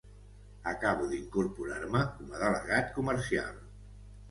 Acabo d'incorporar-me com a delegat comercial